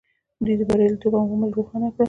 دوی د بریالیتوب عوامل روښانه کړل.